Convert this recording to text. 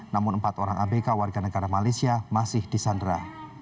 namun empat orang abk warga negara malaysia masih disandra